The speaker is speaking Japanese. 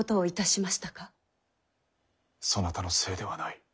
そなたのせいではない。